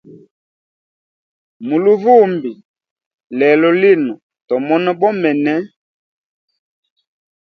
Mu luvumbi lelo lino tomona bomene.